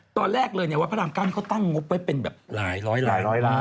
ตอนแรกเลยเนี่ยวัดพระราม๙เขาตั้งงบไว้เป็นแบบหลายร้อยหลายร้อยล้าน